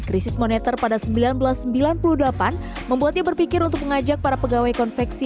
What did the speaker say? krisis moneter pada seribu sembilan ratus sembilan puluh delapan membuatnya berpikir untuk mengajak para pegawai konveksi